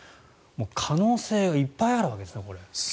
可能性がいっぱいあるわけですねこれ。